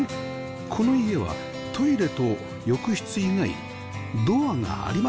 この家はトイレと浴室以外ドアがありません